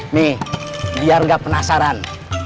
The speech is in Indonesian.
nih biar gak penasaran